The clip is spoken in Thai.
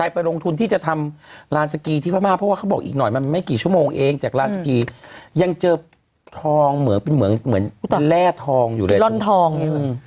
เพราะว่าเค้าบอกอีกหน่อยมันไม่กี่ชั่วโมงเองจากล่าสกรียังเจอทองเหมือนแร่ทองอยู่ด้านนี้